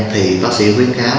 thì bác sĩ khuyến kháo